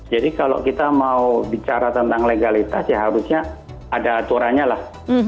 jadi kalau kita mau bicara tentang legalitas ya harusnya ada aturannya lah